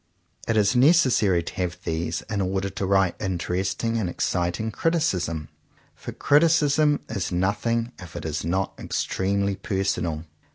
It is necessary to have these in order to write interesting and exciting criticism; for criticism is nothing if it is not extremely personal.